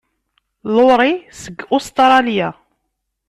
Laurie seg Ustṛalya.